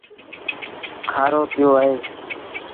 کآرو پيو اهي۔